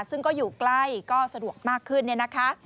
ซึ่งก็อยู่ใกล้ก็สะดวกมากขึ้น